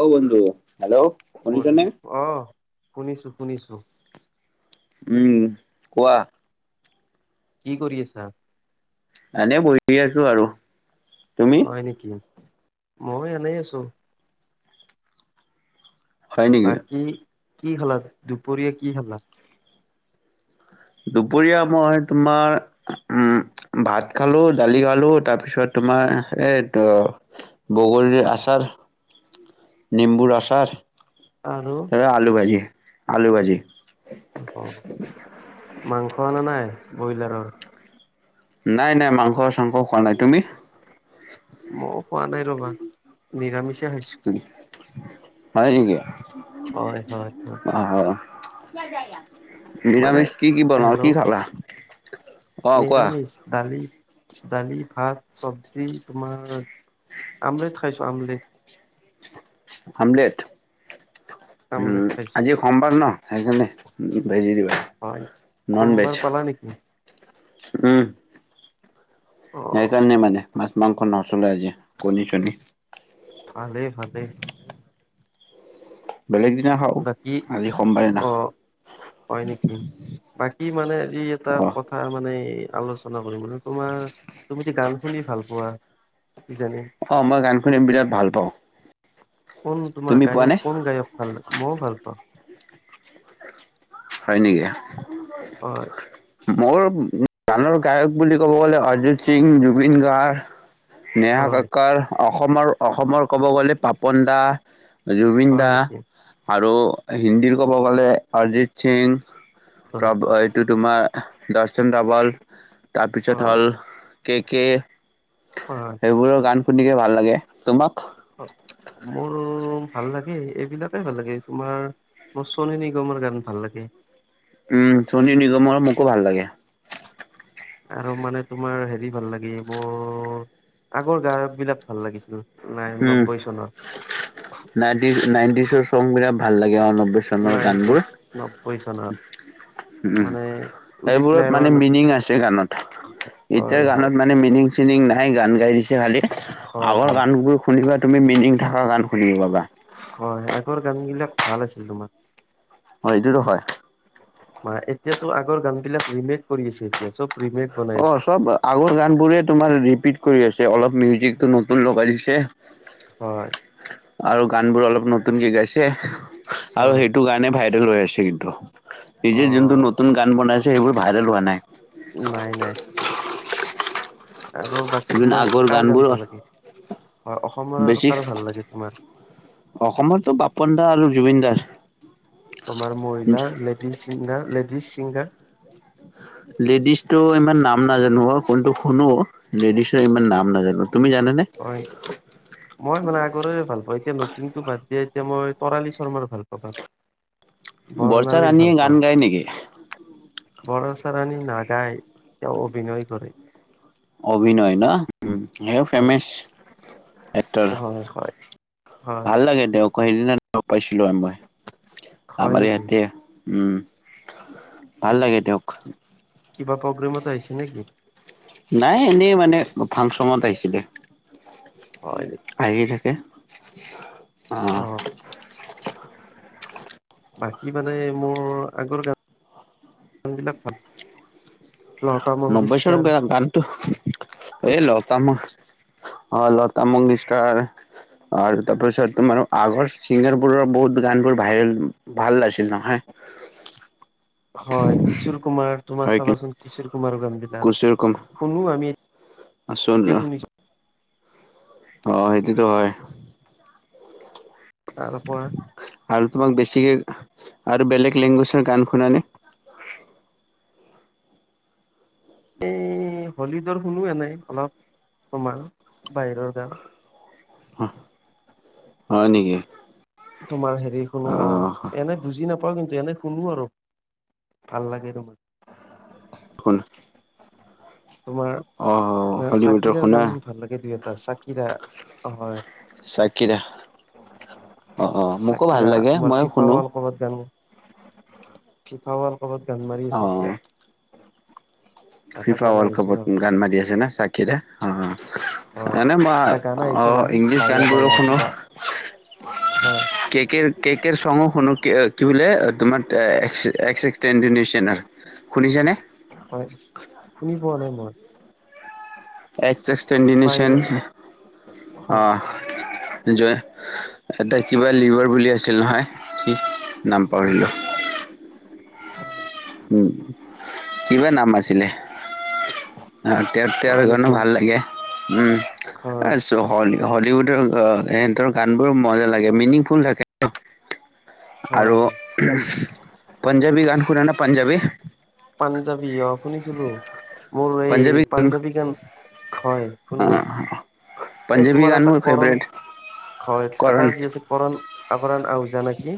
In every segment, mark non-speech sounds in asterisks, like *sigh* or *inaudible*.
অ বন্ধু হেল্ল' বন্ধ শুনিছনে? অ', শুনিছোঁ, শুনিছোঁ। উম, কোৱা। কি কৰি আছা? এনে বহি আছোঁ আৰু। তুমি? হয়, নেকি? মইয়ো এনেই আছোঁ। হয় নেকি? বাকী কি খালা? দুপৰীয়া কি খালা? দুপৰীয়া মই তোমাৰ উম, ভাত খালোঁ, দালি খালোঁ, তাৰপিছত তোমাৰ এইটো বগৰীৰ আচাৰ নেম্বুৰ আচাৰ আৰু তাপা আলু ভাজি আলু ভাজি মাংস আনা নাই ব্ৰইলাৰৰ নাই নাই মাংস চাংস খোৱা নাই তুমি মইও খোৱা নাই ৰবা নিৰামিষে হৈছো হয়েকে হয় হয় অ' মানে নিৰাামিষ কি কি বন আৰু কি খালা। অ কোৱা? নিৰামিচ দালি দালি ভাত চব্জি তোমাৰ আমলেট খাইছো আমলেট আমলেট আমলেট উম খাইছো আজি সোমবাৰ ন সেইকাৰণে ভেজি দিবা হয় নন ভেজ সোমবাৰ পালা নেকি। উম। অ সেইকাৰণে মানে মাছ মাংস নচলে আজি কণী চনি ভালে ভালে বাকী *inaudible* অ' হয় নেকি বাকী মানে আজি এটা অ কথা মানে আলোচনা কৰিম মান তোমাৰ তুমি যে গান শুনি ভাল পোৱা। কিজানি অ' মই গান শুনিম বিৰাট ভাল পাওঁ কোন তোমাৰ তুমি পোৱা নে গায়ক কোন গায়ক ভাল মইও ভাল পাওঁ হয় নেকি হয়। মোৰ গানৰ গায়ক বুলি ক'ব গ'লে অৰ্জিত সিং জুবিন গাৰ্গ হয় নেহাককৰ অসমৰ অসমৰ ক'ব গ'লে পাপন দা জুবিন হয় দা নেকি আৰু হিন্দীৰ ক'ব গ'লে অৰিজিত সিং হয় প্ৰ হয় এইটো তোমাৰ দৰ্শনবল তাৰপিছত হয় হ'ল কেকে হয় সেইবোৰৰ গান শুনিকে ভাল লাগে তোমাক হয়। মোৰ ভাল লাগে এইবিলাকে ভাল লাগে তোমাৰ মোৰ চনিী নিগমৰ গান ভাল লাগে। উম চনী নিগমৰ মোকো ভাল লাগে আৰু মানে তোমাৰ হেৰি ভাল লাগি মোৰ আগৰ গায়ক বিলাক ভাল লাগিছিল নাই নব্বৈ চনত নাইটি নাইনটিচৰ চং বিৰাট ভাল লাগে অনণব্বৈ চনৰ গানবোৰ নাইনটিজ নব্বৈ চনত উম মানে উদিত সবোৰত মানে নাৰায়ণ মিনিং আছে গানত এতিয়া হয় হয় গানত মানে মিনিং। চিনিং নাইগান গাই দিছে ভালেই হয় হয় গানবোৰ শুনিবা তুমি মিনিং থকা গান শুন পাবা হয় আগৰ গান বিলাক ভাল আছিল তোমাৰ। *unintelligible* ম এতিয়াতো আগৰ গান বিলাক ৰিমেক কৰি আছে এতিয়া চব ৰিমেক বনাই অ' আছে চব আগৰ গান বোৰে তোমাৰ ৰিপিট কৰি আছে অলপ মিউজিকটো নতুন লগাই দিছে এহ হয় আৰু গান বোৰ অলপ নতুনকে গাইছে আৰু হয় সেইটো গানে ভাইৰেল হৈ আছে কিন্তু। অ নিজে যোনটো নতুন গান বনাইছে সেইবোৰ ভাইৰেল হোৱা নাই উ, আৰু বাকী যোন তোমাৰ আগৰ কাৰ গান গানবোৰ ভাল লাগে হয় অসমৰ কাৰ ভাল লাগে তোমাৰ। অসমততো পাপন দা আৰু জুবিনদাৰ তোমাৰ মহিলা লেডিজ চিগাৰ লেডিজ চিংগাৰ লেডিজতটো ইমান নাম নাজানো অ কোনটো শুনো লেডিজৰ ইমান নাম নাজানো তুমি জানানে হয় মই মানে আগৰে ভাল পাও এতিয়া নতুনতটো বাদ দিয়ে এতিয়া মই তৰালী শৰ্মাৰ ভাল পাও গান বৰ্ষা বৰ্ণালীৰ ৰাণীয়ে গান গায় নেকি? বৰচাৰণী নাগাই তেওঁ অভিনয় কৰে অভিনয় ন উম সেও হয় ফেমেছ এক্টৰ হয় হয় হয় ভাল লাগে তেওঁক কয় সেইদিনা লগ পাইছিলো মই হয় আমাৰ নেকি ইয়াতে উম ভাল কি- লাগে তেওঁক কি- কিবা প্ৰগ্ৰেমত আহিছে নেকি নাই এনেই মানে ফাংচনত আহিছিলে হয় নেকি অহ অ', বাকী মানে মোৰ আগৰ গান বিলাক ভাল লতা নব্বৈশৰ মংগেশকাৰ গানতো, এ এহ লগ পায় আও অ লতা মনিস্কাৰ আৰু তাৰপিছত তোমাৰ আগৰ চিংগাৰবোৰৰ বহুত গানবোৰ ভাইৰেল, ভাল আছিল নহয় *inaudible* হয় কিশোৰ কুমাৰ তোমাৰ হয় কি চাবাচোন, কিশোৰ কুমাৰৰ গান বিলাক কুচিৰ কুম শুনো আমি এতিয়া শুনিছো *unintelligible* অ' সেইটোতো হয়। তাৰ পৰা আৰু তোমাক বেছিকে আৰু বেলেগ লেংগুৱেজৰ গান শুনানে এ হলীডৰ শুনো এ নাই অলপ তোমাৰ বাহিৰৰ গান। অহ হয় নেকি তোমাৰ হেৰি শুনো অ' এনে বুজি নাপাও কিন্তু এনেই শুনো আৰু ভাল লাগে তোমাক। খন তোমাৰ হলিউডৰ চাকিৰাৰ শুনা গান ভাল লাগে দুই এটা চাকিৰা হয়। কি দেখা চাকিৰা তোমাৰ মইও ফিফা শুনো ৱৰ্ল কাপ ত গানো। ফিফাৱাৰ ৱৰ্ল্ডকাপত গান মাৰি অ আছে এতিয়া, এটা ফিফা গান ৱৰ্ল্ড আহিছে নহয় কাপত গান মাৰি আছে ন চাকি অ', হয় এনেই মই এটা গান আহিছে অহ, নহয় ইংলিছ দায়া দায়া গানবোৰৰ শুনো কিবা হয় কে-কে চো শুনো কি বোলে তোমাৰ শুনিছানে হয়, শুনি পোৱা নাই মই এক্স এক্সটেডনেচন, বাহিৰৰ হয় অহ নেকি সেইটোৱে এটা কিবা লিভাৰ বুলি আছিল নহয় কি নাম পাহৰিলো। হয় উম, কিবা নাম আছিলে তেৰ-তেৰ হয় গণো নেকি ভাল লাগে উম, হয় হেই হজৰ্ণী হলেওটো সেহতৰ গানবোৰ মজা লাগে, মিনিংফুল থাকে। হয় আৰু হয় পাঞ্জাৱী গান শুনে না পাঞ্জাৱী পাঞ্জাবী অ' শুনিছিলো মোৰ এই পাঞ্জাবী গান হয়, শুনো অ' এই পাঞ্জাৱী তোমাৰ গান এটা মোৰ কৰণ, ফেভৰেট হয় এটা কাৰণ যি আছে কৰণ আকৰাণ আহ ওজা নেকি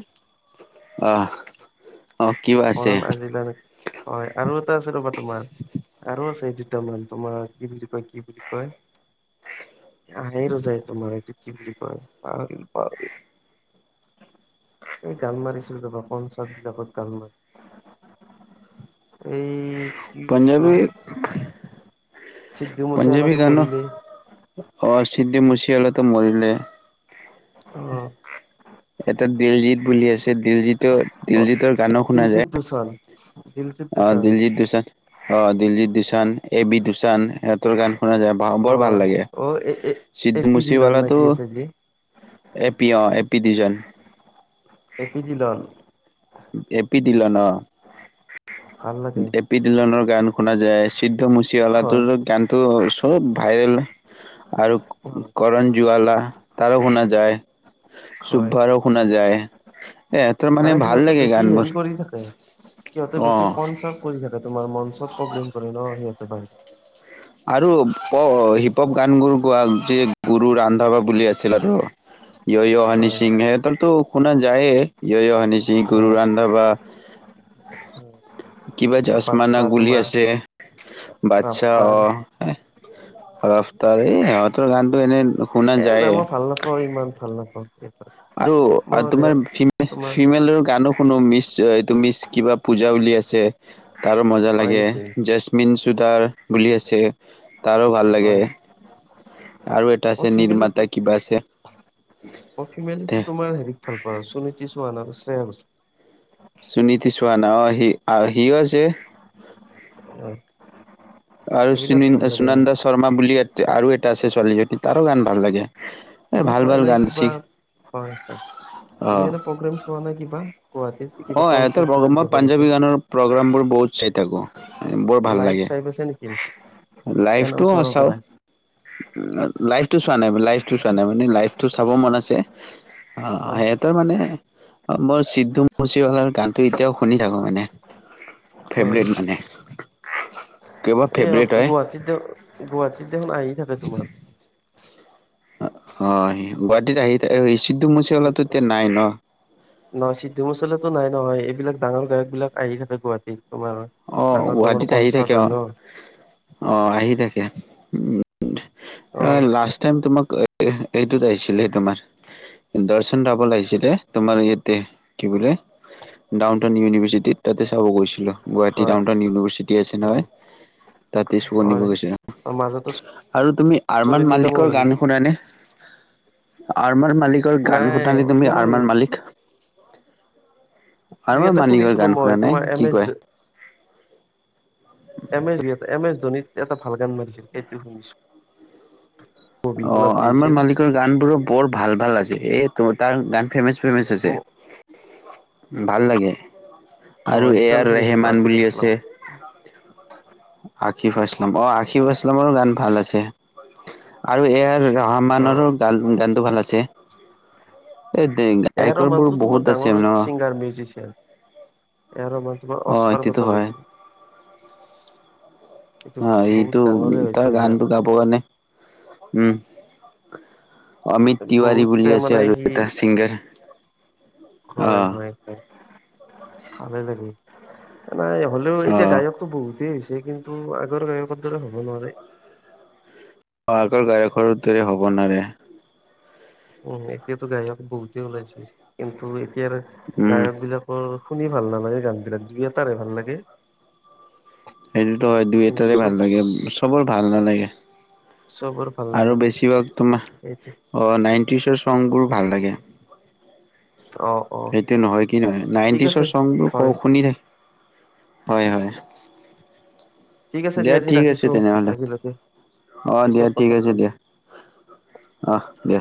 অঁ-অঁ কৰণ আজিলা নেকি, হয় আৰু এটা আছে ৰবা তোমাৰ আৰু আছে দুটামান তোমাৰ কি বুলি কয় কি বুলি কয়। আহেই ৰোজাই তোমাৰ এইটো কি বুলি কয় পাহৰিল পাহৰিল এই গাল মাৰিছিলো ৰবা পঞ্চাছ বিলাকত গাল মাৰি। এই কি বুলি কয় চিদ্ধু পাঞ্জাবী মুছেৱালাটো গান মৰিলে অ, চিদ্ধি মুচি *unintelligible* অ দিলজিত বুলি আছে দিলজিতৰ অ', দিলজিতৰ গানো শুনা দিলজিত যায়। দোচান দিলজিত অ দোচান দিলজিত দচান অ দিলজিত দচান, এ বি দোচান ইহহতৰ গান। শুনা যায় অ বৰ ভাল লাগে অ এ এ এ চিদ পি দিলন নে মুচিৱালো। কি আছে যি এপি অ এপি ডজন। এপি জিলন। টিলনৰ ভাল লাগে এপি টিলনৰ গান শুনা যায়। সিদ্ধ হয় মচালাটোৰ গান চব ভাইৰেল আৰু হয় কৰ জোৱালা তাৰো শুনা যায়। হয় হয় চুবভাৰো শুনা যায়। এ তাৰ মানে ভাল। সিহঁতে লাগে বেছি হেৰি গানবোৰ কৰি থাকে সিহঁতে অ বেছ কন চ কৰি থাকে। তোমাৰ মঞ্চত প্ৰগ্ৰেম কৰে ন সিয়াছে বাহ হিপপ গান গোৰ গীয়ে গুৰু ৰান্ধাবা বুলি আছিল আৰু ইয় হাননি হয় সিংহ হে হতৰ। তটো শুনা যায়ে য়হানি চিং, গুৰু হয় ৰান্ধাবা। কিবা জশমানা বাচ্ছা গুলি তোমাৰ আছে বাচ্ছা অ। ৰাফতাৰ ৰফ্তাৰ এই সিহঁতৰ গানতটো এনে। শুনা এ নাই যায়ে মই ভাল নাপাওঁ ইমান ভাল নাপাওঁ। আৰু মোৰ তোমাৰ তোমাৰ ফিমেলৰ গানো। কোনো মিছ এইটো মিচ কিবা পূজা উল আছে তাৰো মজা হয় লাগে। নেকি জেচমিন জুদাৰ বুলি আছে তাৰো ভাল লাগে। হয় আৰু এটা মই আছে ফিমেলত নিৰ্মাতা কিবা আছে। মই ফিমেলটো তোমাৰ হেৰিক ভাল পোৱা সুনীতি চৌহান আৰু শ্ৰেয় হুছেইল। সুনীতি চৌৱাহান আহ সি আহ আহি আছে। হয়, এইবিলাক ভাল আৰুু লাগে মানে সুনন্দা শৰ্মা বুলি আৰু এটা আছে ছোৱালীজনী তাৰো গান ভাল লাগে। এ তুমি ভাল কোৱা ভাল নাই গান কিবা চি হয় - হয় অ তুি এনে প্ৰগ্ৰেম চোৱা নাই কিবা? গুৱাহাটীত অ, কিবা সিহতৰ কনচাৰ্ট বিলাক মই যে হৈ থাকে পাঞ্জাৱী গানৰ প্ৰগ্ৰাম বোৰ বহুত চাই থাকো। বৰ ভাল লাইভ লাগে চাই পাইছা নেকি এনে লাইফটো ওচৰৰ চাও। পৰাই লাইফতটো চোৱা নাই লাইফটো চোৱা নাই মানে লাইফটো চাব মন আছে। অ হয় সিহতেই মানে মই চিদু মুুচিৱালাৰ গানটো এতিয়াও শুনি থাকো মানে হয় ফেভৰিট মানে। কিবা এই ফেভৰেট হয় গুৱাহাটীত দে গুৱাহাটীত দেখোন আহি থাকে তোমাৰ। অ, গুৱাহাটীত আহি সিু মচৱালা এতিয়া নাই ন নহ সিদ্ধু মাচলো নাই নহয় এইবিলাক ডাঙৰ গায়ক বিলাক আহি থাকে গুৱাহাটীত। তোমাৰ অ ডাঙৰ - ডাঙৰ গুৱাহাটীত আহি থাকে কনচাৰ্ট অ হয় ন। অ আহি থাকে উ। অ লাষ্ট টাইম তোমাক এইটোত আহিছিলে। তোমাৰ দৰ্শন ৰাব লাগিছিলে তোমাৰ ইয়াতে কি বোলে। ডাউন টাউন ইউনিভাৰ্চিটিত তাতে চাব গৈছিলো। গুৱাহাটী হয় ডাউনটাউন ইউনিভাৰ্চিটি আছে নহয়। তাই তেচু আনিব হয় গৈছো মাজতে আৰু তুমি। আৰমানাৰ আঁচনি কাম মালিকৰ গান আহিল শুনানে। আৰমানাৰ মালিক গান নাই শুনানি তুমি শুনো আৰমান মালিক। দুই আৰু মই এটা মালিকৰ শুনিছিলো গান মই শুনা নাই তোমাৰ এম কি এছ কয়? এম এছ ধোনিত এটা ভাল গান মাৰিছিল এইটো শুনিছো। অ মুভিখনত যি আমাৰ আছিল মালিকৰ গান বোৰো বৰ ভাল ভাল আছে এ ত তাৰ গান ফেমাচ। ফেমাচ আছে ভাল লাগে। আৰু হয় এ গান আৰ শুনি কিন্তু ৰেহেমান আতিফ বুলি আছলাম আছে। আকিফ আছলাম অ', আকিফ আছলামৰো গান ভাল আছে। আৰু এ আৰ অ ৰেহমানৰো গানটো ভাল আছে। *unintelligible* এ আৰ গায়কৰবোৰ ৰহমানটো তোমাৰ বহুত ডাঙৰ আছে ন'? ছিংগাৰ মিউজিচিয়ান এ আৰ ৰহমানে তোমাৰ অ অস্কাৰ এইটোতো বঁটা হয় পাইছে। এইটো অ বহুত এইটো ডাঙৰে হয় তাৰ ছিংগাৰ গানটো গাব কাৰণে উম। অমিত তিৱাৰী বহুতে বুলি মানে আছে আৰু সি এটা ছিংগাৰ। অ হয় হয় হয় ভালে লাগে। নাই হ'লেও অ এতিয়া গায়কতো বহুতেই হৈছে। *unintelligible* কিন্তু আগৰ গায়কৰ দৰে হ'ব নোৱাৰে। *unintelligible* গায়কৰ দৰে হ'ব নোৱাৰে। উম, এতিয়াতো গায়ক বহুতে ওলাইছে, কিন্তু এতিয়াৰ উম গায়ক বিলাকৰ শুনি ভাল নালাগে গান বিলাক দুই এটাৰে ভাল লাগে। সেইটোতো হয়, দুই কিন্তু এটাৰে ভাল চব লাগে, চবৰ ভাল নালাগে। চবৰ ভাল আৰু নালাগে বেছিভাগ তোমাৰ সেইটো অ', নাইন টিছৰ চংবোৰ ভাল লাগে। অ অ সেইটো নহয় কি নহয় ঠিক আছে নাইনটিচৰ চংবোৰ ক হয় শুনি থাকে। হয়, হয়। ঠিক আছে দিয়া আজি ঠিক আছে ৰাখিছো তেনেহলে আজিলৈকে অ দিয়া পিছত ঠিক কথা আছে দিয়া। পাতিম অস, দে